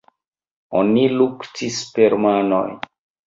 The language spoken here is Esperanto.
Oni luktis per manoj.